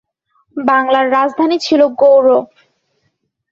বাংলার রাজধানী ছিল গৌড়।